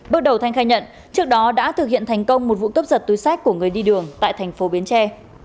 bước đầu thanh khai nhận trước đó đã thực hiện thành công một vụ cấp giật túi xách của người đi đường tại thành phố biến tre